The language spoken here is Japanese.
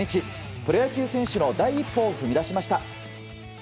プロ野球選手の第一歩を踏み出しました。